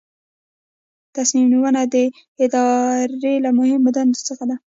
تصمیم نیونه د ادارې له مهمو دندو څخه ده.